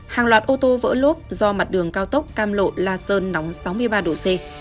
hàng loạt ô tô vỡ lốp do mặt đường cao tốc cam lộ la sơn nóng sáu mươi ba độ c